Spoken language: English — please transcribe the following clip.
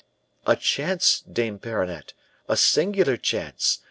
"'A chance, Dame Perronnette a singular chance.